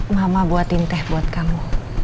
mama buatin teh buat kamu